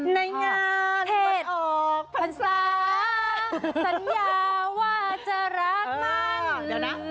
ในงานเผ็ดออกภัณฑาสัญญาว่าจะรักมัน